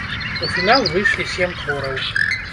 У фінал выйшлі сем твораў.